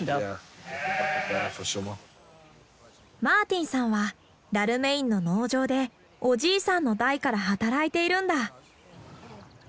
マーティンさんはダルメインの農場でおじいさんの代から働いているんだ。